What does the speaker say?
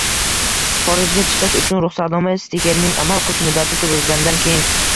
Xorijga chiqish uchun ruxsatnoma stikerining amal qilish muddati tugaganidan keyin